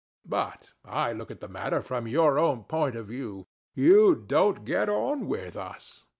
But I look at the matter from your own point of view. You don't get on with us.